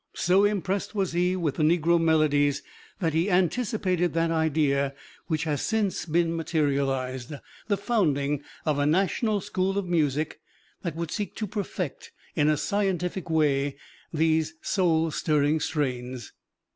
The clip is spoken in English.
So impressed was he with the negro melodies that he anticipated that idea which has since been materialized: the founding of a national school of music that would seek to perfect in a scientific way these soul stirring strains.